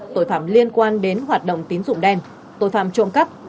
tội phạm liên quan đến hoạt động tín dụng đen tội phạm trộm cắp